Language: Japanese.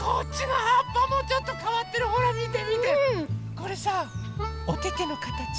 これさおててのかたち。